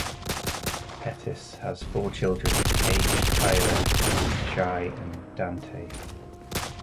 Pettis has four children, Paige, Kyler, Shaye, and Dante.